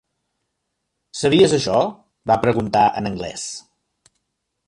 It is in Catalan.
"Sabies això?" Va preguntar, en anglès.